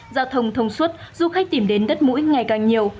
giao thông thông suốt du khách tìm đến đất mũi ngày càng nhiều